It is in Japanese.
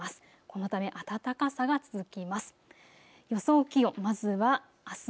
このため暖かさが続きます。